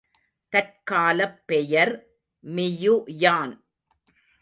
தற்காலப் பெயர் மியுயான்.